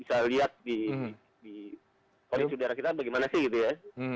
saya lihat di kualitas udara kita bagaimana sih gitu ya